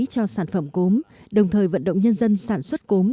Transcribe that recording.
cho sản phẩm cốm đồng thời vận động nhân dân sản xuất cốm